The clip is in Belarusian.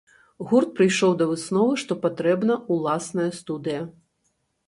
Гурт прыйшоў да высновы, што патрэбна ўласная студыя.